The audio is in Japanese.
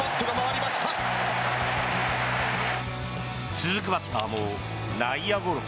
続くバッターも内野ゴロ。